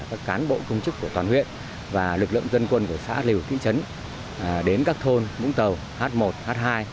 các cán bộ công chức của toàn huyện và lực lượng dân quân của xã lưu thị trấn đến các thôn vũng tàu h một h hai